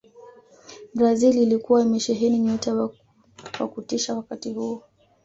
brazil ilikuwa imesheheni nyota wa kutisha wakati huo